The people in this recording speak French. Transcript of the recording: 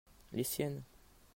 les siennes.